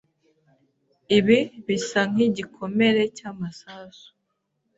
Ibi bisa nkigikomere cyamasasu.